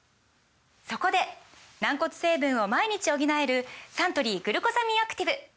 そこで軟骨成分を毎日補えるサントリー「グルコサミンアクティブ」！